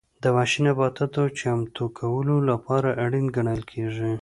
د وحشي نباتاتو چمتو کولو لپاره اړین ګڼل کېږي.